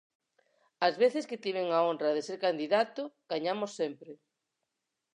As veces que tiven a honra de ser candidato gañamos sempre.